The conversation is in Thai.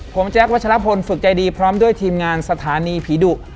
ผมแจ๊ควัชลพลฝึกใจดีพร้อมด้วยทีมงานสถานีผีดุ